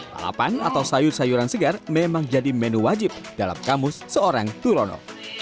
lalapan atau sayur sayuran segar memang jadi menu wajib dalam kamus seorang turono